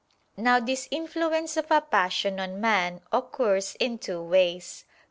Now this influence of a passion on man occurs in two ways.